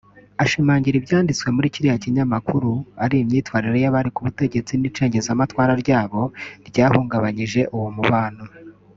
Ashimangira ibyanditswe muri kiriya kinyamakuru ari imyitwarire y’abari ku butegetsi n’icengezamatwara ryabo ryahungabanyije uwo mubano